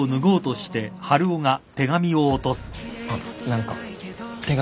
あっ何か手紙。